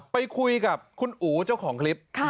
ไปคุยกับคุณอู๋เจ้าของคลิป